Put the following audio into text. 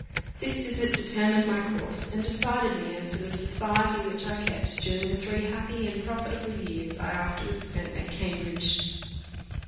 This visit determined my course, and decided me as to the society which I kept during the three happy and profitable years I afterwards spent at Cambridge.